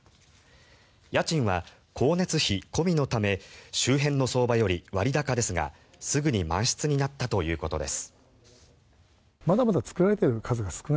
家賃は光熱費込みのため周辺の相場より割高ですがすぐに満室になったということです。